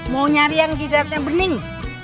mau nyari yang tidaknya bening